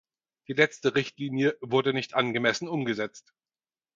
Die letzte Richtlinie wurde nicht angemessen umgesetzt.